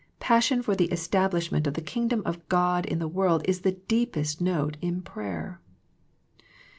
Passion for the establishment of the Kingdom of God in the world is the deepest note in prayer.